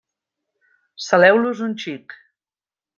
Saleu-los un xic.